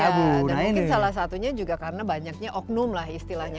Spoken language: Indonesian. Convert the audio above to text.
ya dan mungkin salah satunya juga karena banyaknya oknum lah istilahnya